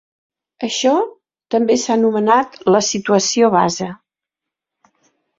Això també s'ha anomenat la "situació base".